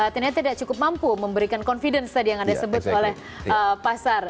ternyata tidak cukup mampu memberikan confidence tadi yang anda sebut oleh pasar